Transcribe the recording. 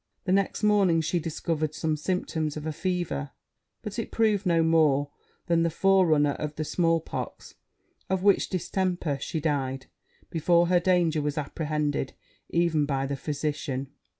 The next morning she discovered some symptoms of a fever; but it proved no more than the forerunner of the small pox, of which distemper she died before her danger was apprehended, even by the physician.'